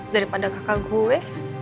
daripada kakak gue